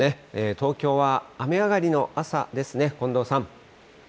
東京は雨上がりの朝ですね、近藤さん。